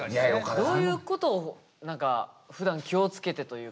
どういうことを何かふだん気をつけてというか。